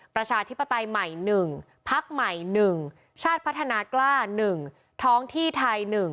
ประชาธิปไตยใหม่๑พักใหม่๑ชาติพัฒนากล้า๑ท้องที่ไทย๑